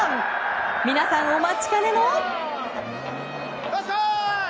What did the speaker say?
皆さん、お待ちかねの。